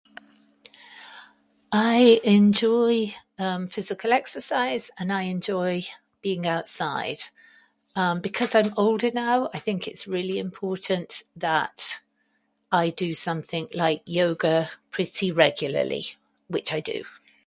I enjoy, um, physical exercise and I enjoy being outside. Um, because I'm older now, I think it's really important that I do something like yoga pretty regularly, which I do.